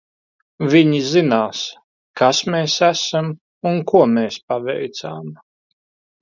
Viņi zinās, kas mēs esam un ko mēs paveicām.